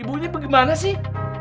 ibunya bagaimana sih